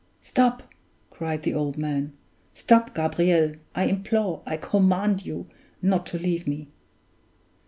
"Stop!" cried the old man. "Stop, Gabriel; I implore, I command you not to leave me!"